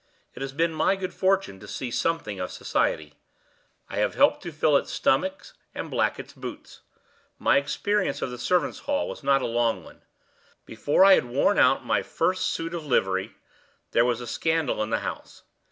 It has been my good fortune to see something of society; I have helped to fill its stomach and black its boots. My experience of the servants' hall was not a long one. Before I had worn out my first suit of livery, there was a scandal in the house.